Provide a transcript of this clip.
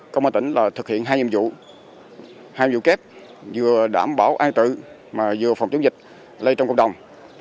công an tỉnh thực hiện hai nhiệm vụ kép vừa đảm bảo an tự vừa phòng chống dịch lây trong cộng đồng